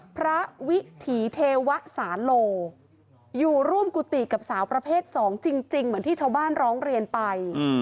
วิถีเทวะสาโลอยู่ร่วมกุฏิกับสาวประเภท๒จริงเหมือนที่ชาวบ้านร้องเรียนไป